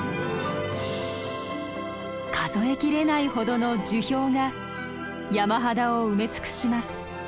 数え切れないほどの樹氷が山肌を埋め尽くします。